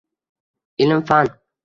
Ilm-fan